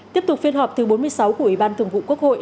tiếp tục phiên họp thứ bốn mươi sáu của ủy ban thường vụ quốc hội